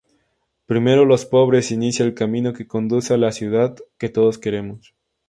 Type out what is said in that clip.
Primero los Pobres inicia el camino que conduce a la ciudad que todos queremos"".